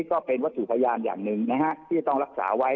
ก็เป็นวัตถุพยานอย่างหนึ่งนะฮะที่จะต้องรักษาไว้